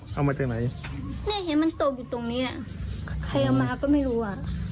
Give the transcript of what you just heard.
นี่เห็นมันตกอยู่ตรงนี้ใครเอามาก็ไม่รู้อ่ะ